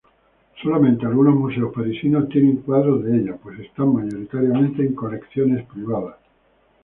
Solamente algunos museos parisinos tienen cuadros de ella, pues están mayoritariamente en colecciones privadas.